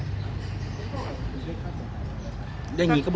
ก็คือเลือกค่าเสียหายได้ไหมครับ